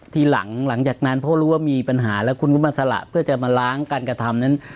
หลังจากนั้นเพราะรู้ว่ามีปัญหาแล้วคุณก็มาสละเพื่อจะมาล้างการกระทำนั้น